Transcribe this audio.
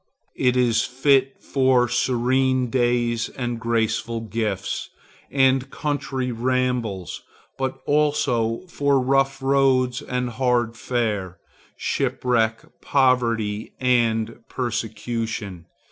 It is fit for serene days and graceful gifts and country rambles, but also for rough roads and hard fare, shipwreck, poverty, and persecution.